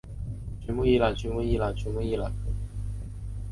曲目一览曲目一览曲目一览